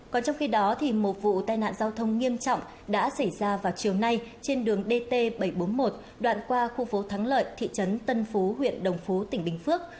còn trong khi đó một vụ tai nạn giao thông nghiêm trọng đã xảy ra vào chiều nay trên đường dt bảy trăm bốn mươi một đoạn qua khu phố thắng lợi thị trấn tân phú huyện đồng phú tỉnh bình phước